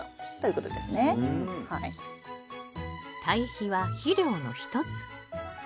堆肥は肥料の一つ。